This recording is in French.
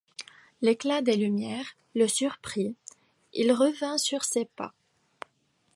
L'éclat des lumières le surprit, il revint sur ses pas.